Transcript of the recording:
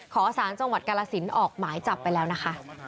ขอสารจังหวัดกาลสินออกหมายจับไปแล้วนะคะ